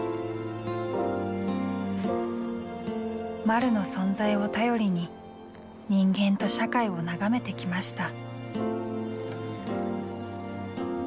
まるの存在をたよりに人間と社会を眺めてきました。